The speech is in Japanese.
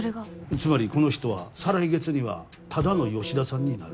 つまりこの人は再来月にはただの吉田さんになる。